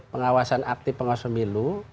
pengawasan aktif pengawasan milu